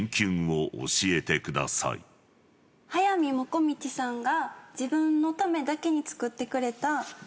速水もこみちさんが自分のためだけに作ってくれた。